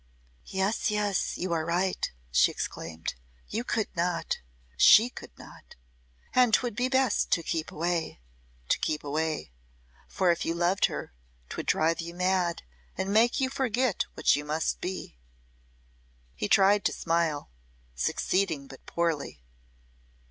"Yes, yes, you are right," she exclaimed. "You could not she could not ! And 'twould be best to keep away to keep away. For if you loved her, 'twould drive you mad, and make you forget what you must be." He tried to smile, succeeding but poorly.